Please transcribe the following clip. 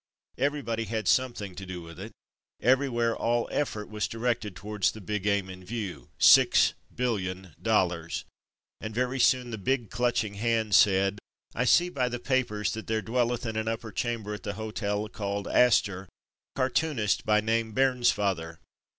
Everybody had something to do with it. Everywhere all effort was directed towards the big aim in view — "Six billion dollars," and very soon the Big Clutching Hand said, ''I see by the papers that there dwelleth in an upper chamber at the Hotel called Astor, a cartoonist by name Bairns father.